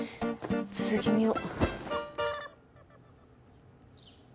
続き見よ。